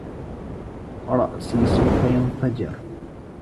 رأسي سوف يَنْفَجِر.